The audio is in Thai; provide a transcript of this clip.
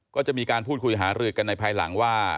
ก็จะมีการพูดคุยหารือกันในภายหลังว่า